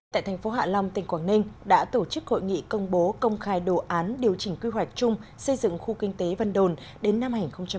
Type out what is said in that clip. tại thành phố hạ long tỉnh quảng ninh đã tổ chức hội nghị công bố công khai đồ án điều chỉnh quy hoạch chung xây dựng khu kinh tế vân đồn đến năm hai nghìn ba mươi